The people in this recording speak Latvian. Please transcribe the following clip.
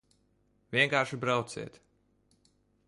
Vienkārši brauciet!